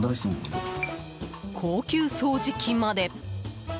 高級掃除機まで。